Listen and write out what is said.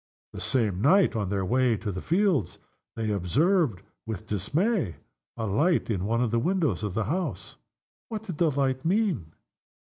The same night, on their way to the fields, they observed with dismay a light in one of the windows of the house. What did the light mean?